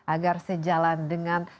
agar sejalan dengan